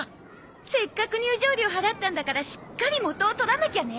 せっかく入場料払ったんだからしっかり元を取らなきゃね。